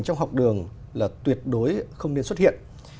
trong học đường là tuyệt đối không nên xuất hiện